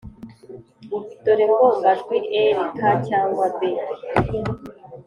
dore ngombajwi r, k cyangwa b